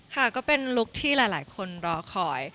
ค่ะก็เป็นลุคที่หลายคนรอคอย